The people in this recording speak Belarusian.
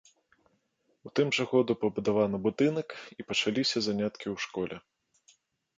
У тым жа году пабудаваны будынак і пачаліся заняткі ў школе.